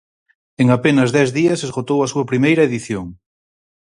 En apenas dez días esgotou a súa primeira edición.